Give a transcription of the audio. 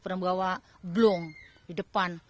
pernah bawa blong di depan